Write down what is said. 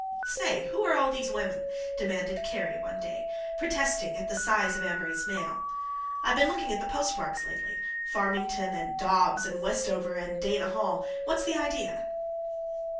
"Say, who are all these women?" demanded Kerry one day, protesting at the size of Amory's mail. "I've been looking at the postmarks lately—Farmington and Dobbs and Westover and Dana Hall—what's the idea?"